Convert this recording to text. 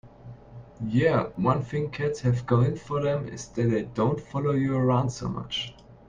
Yeah, one thing cats have going for them is that they don't follow you around so much.